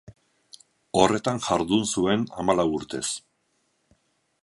Horretan jardun zuen hamalau urtez.